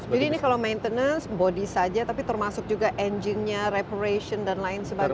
jadi ini kalau maintenance bodi saja tapi termasuk juga engine nya reparation dan lain sebagainya